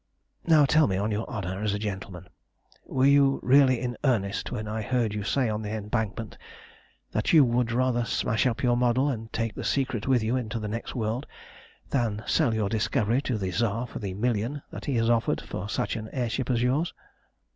Now tell me on your honour as a gentleman: Were you really in earnest when I heard you say on the embankment that you would rather smash up your model and take the secret with you into the next world, than sell your discovery to the Tsar for the million that he has offered for such an air ship as yours?"